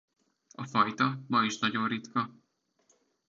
A fajta ma is nagyon ritka.